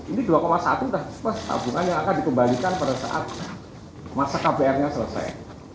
ini dua satu tabungan yang akan dikembalikan pada saat masa kbr nya selesai